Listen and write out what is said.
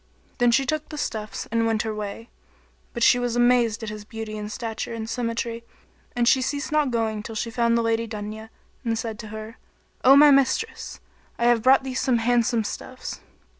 Then she took the stuffs and went her way; but she was amazed at his beauty and stature and symmetry, and she ceased not going till she found the Lady Dunya and said to her, "O my mistress! I have brought thee some handsome stuffs."